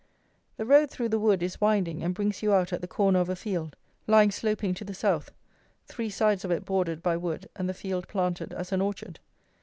The road through the wood is winding and brings you out at the corner of a field, lying sloping to the south, three sides of it bordered by wood and the field planted as an orchard.